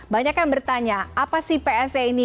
banyak yang bertanya apa sih pse ini